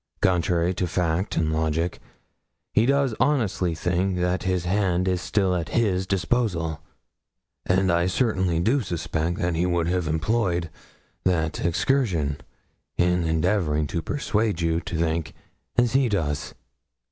Contrary to fact and logic, he does honestly think that his hand is still at his disposal; and I certainly do suspect that he would have employed that excursion in endeavouring to persuade you to think as he does.